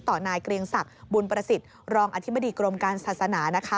นายเกรียงศักดิ์บุญประสิทธิ์รองอธิบดีกรมการศาสนานะคะ